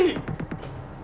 ini untuk goreng